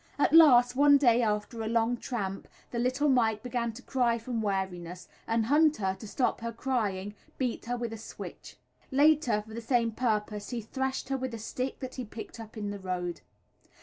At last, one day after a long tramp, the little mite began to cry from weariness, and Hunter, to stop her crying, beat her with a switch. Later, for the same purpose, he thrashed her with a stick that he picked up in the road.